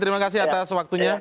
terima kasih atas waktunya